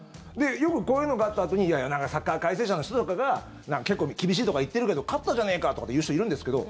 よくこういうのがあったあとにサッカー解説者の人とかが結構厳しいとか言っているけど勝ったじゃねーかとかって言う人いるんですけど